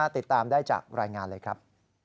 ติดตามได้จากรายงานเลยครับ